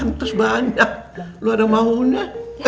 pantus banyak lo ada maunya